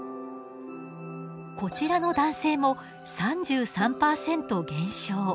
こちらの男性も３３％減少。